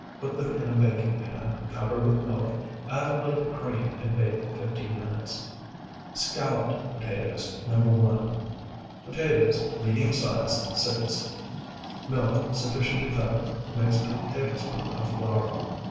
Put them in a baking pan, cover with milk; add a little cream, and bake fifteen minutes. SCALLOPED POTATOES NO. 1 Potatoes, medium size, 6. Milk sufficient to cover, mixed with tablespoonful of flour.